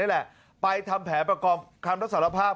และไฟทำแถมประกอบคำนักสารภาพ